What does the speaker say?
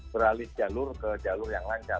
beralih jalur ke jalur yang lancar